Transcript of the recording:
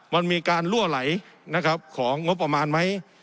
มันมีการลั่วไหลนะครับของงบประมาณไหม